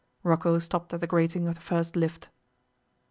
Rocco stopped at the grating of the first lift.